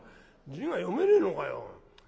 字が読めねえのかよ！